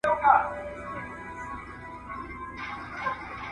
جبري مطالعه انسان له کتاب څخه زړه توروي.